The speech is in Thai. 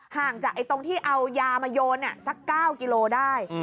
ห่างจากตรงที่เอายามาโยนสัก๙กิโลได้